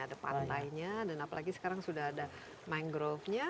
ada pantainya dan apalagi sekarang sudah ada mangrovenya